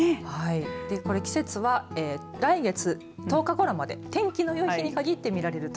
これ、季節は来月１０日ごろまで天気のよい日に限って見られると。